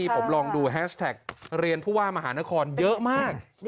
ผมลองดูแฮชแท็กเรียนผู้ว่ามหานครเยอะมาก